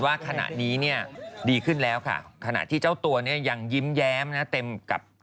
ว่าขณะนี้เนี่ยดีขึ้นแล้วค่ะขณะที่เจ้าตัวเนี่ยยังยิ้มแย้มนะเต็มกับ